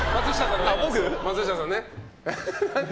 松下さんね。